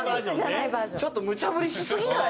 ちょっとむちゃ振りしすぎやない？